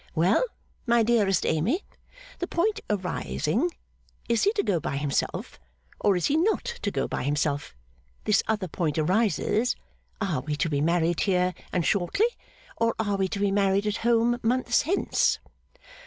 Well, my dearest Amy! The point arising, is he to go by himself, or is he not to go by himself, this other point arises, are we to be married here and shortly, or are we to be married at home months hence?